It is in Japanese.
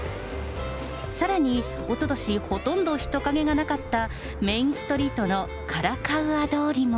さらにおととし、ほとんど人影がなかったメインストリートのカラカウア通りも。